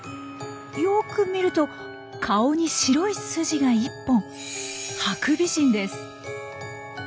よく見ると顔に白い筋が１本。